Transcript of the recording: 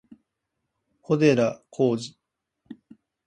小寺浩二